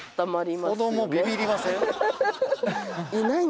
子供ビビりません？